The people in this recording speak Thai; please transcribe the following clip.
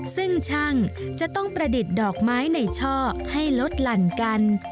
ซึ่งช่างจะต้องประดิษฐ์ดอกไม้ในช่อให้ลดหลั่นกัน